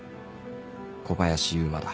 小林勇馬だ